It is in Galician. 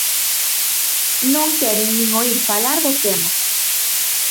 Non queren nin oír falar do tema.